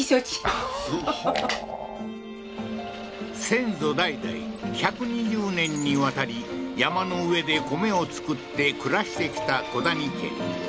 先祖代々１２０年にわたり山の上で米を作って暮らしてきた古谷家